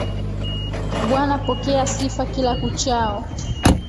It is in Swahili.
Bwana pokea sifa kila kuchao.